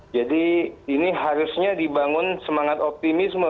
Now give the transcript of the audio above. jadi ini harusnya dibangun semangat optimisme